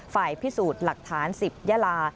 ฝ่ายพิสูจน์หลักฐาน๑๐ยาลา